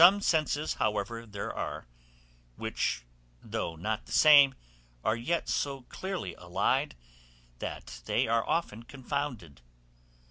Some senses, however, there are, which, though not the same, are yet so nearly allied, that they are often confounded.